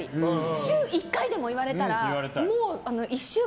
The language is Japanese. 週１回でも言われたら１週間